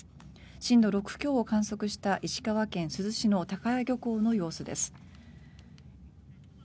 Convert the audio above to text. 震度６強を観測した石川県珠洲市の高屋漁港の様子です。